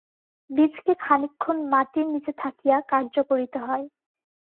বীজকে খানিকক্ষণ মাটির নীচে থাকিয়া কার্য করিতে হয়।